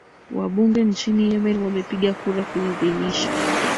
wabunge nchini yemen wamepiga kura kuidhinisha